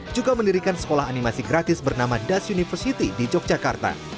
juga mendirikan sekolah animasi gratis bernama dash university di yogyakarta